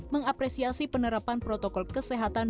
mengapresiasi penerapan protokol kesehatan